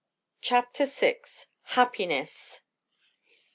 CHAPTER VI. HAPPINESS.